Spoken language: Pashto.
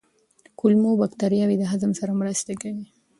کولمو بکتریاوې د هضم سره مرسته کوي.